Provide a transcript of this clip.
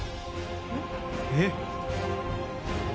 えっ！？